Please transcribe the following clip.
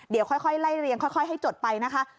เดี๋ยวค่อยไล่เรียงค่อยให้จดไปนะคะ